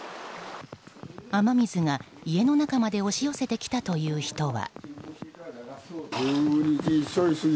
雨水が家の中まで押し寄せてきたという人は。